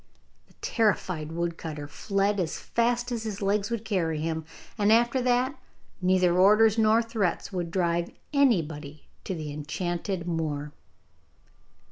The terrified woodcutter fled as fast as his legs would carry him, and after that neither orders nor threats would drive anybody to the enchanted moor.